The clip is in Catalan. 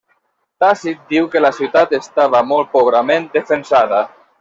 Tàcit diu que la ciutat estava molt pobrament defensada.